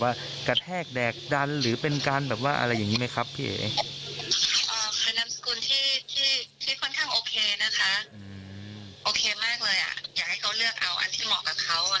อยากให้เขาเลือกเอาอันที่เหมาะกับเขาอะ